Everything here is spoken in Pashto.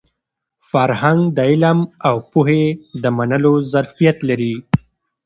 فرهنګ د علم او پوهې د منلو ظرفیت لري.